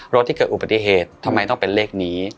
รถที่เกิดอุบัติเหตุทำไมต้องเป็นเลขนี้